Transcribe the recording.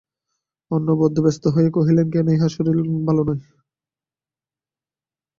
অন্নদাবাবু ব্যস্ত হইয়া কহিলেন, কেন, ইঁহার শরীর কি ভালো নয়?